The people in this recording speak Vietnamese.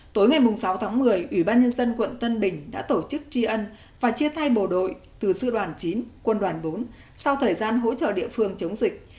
tối ngày sáu tháng một mươi ủy ban nhân dân quận tân bình đã tổ chức tri ân và chia thay bộ đội từ sư đoàn chín quân đoàn bốn sau thời gian hỗ trợ địa phương chống dịch